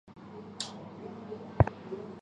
清朝崇德元年建旗。